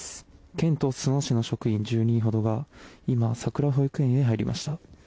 県と裾野市の職員１０人ほどが今、さくら保育園に入りました。